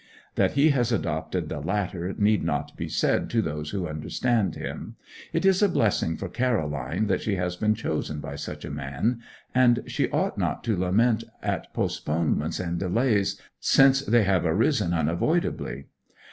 That he has adopted the latter need not be said to those who understand him. It is a blessing for Caroline that she has been chosen by such a man, and she ought not to lament at postponements and delays, since they have arisen unavoidably.